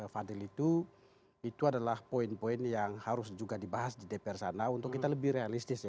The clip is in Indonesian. fadil itu itu adalah poin poin yang harus juga dibahas di dpr sana untuk kita lebih realistis